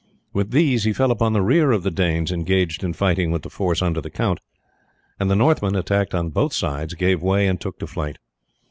With these he fell upon the rear of the Danes engaged in fighting with the force under the count, and the Northmen, attacked on both sides, gave way and took to flight.